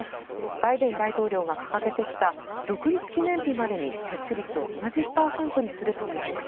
バイデン大統領が掲げてきた独立記念日までに接種率を７０％にするという目標